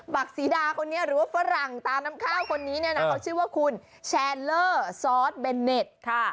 ักศรีดาคนนี้หรือว่าฝรั่งตาน้ำข้าวคนนี้เนี่ยนะเขาชื่อว่าคุณแชลเลอร์ซอสเบนเน็ตค่ะ